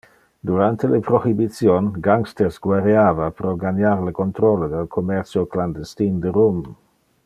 Durante le Prohibition, gangsters guerreava pro ganiar le controlo del commercio clandestin de rum.